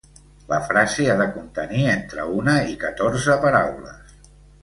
La frase ha de contenir entre una i catorze paraules.